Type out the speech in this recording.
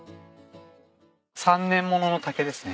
３年ものの竹ですね。